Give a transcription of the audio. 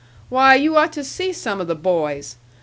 Why, you ought to see some of the boys!